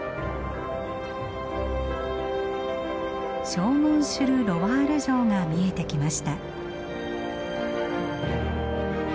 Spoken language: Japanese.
ショーモン・シュル・ロワール城が見えてきました。